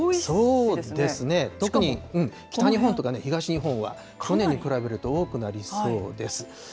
そうですね、特に北日本とか東日本は去年に比べると多くなりそうです。